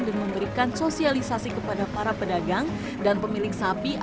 dan memberikan sosialisasi kepada para pedagang dan pemilik sapi